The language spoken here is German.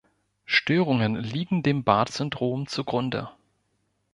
Störungen liegen dem Barth-Syndrom zugrunde.